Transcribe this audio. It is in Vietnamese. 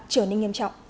trở nên nghiêm trọng